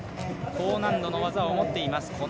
高難度の技を持っています。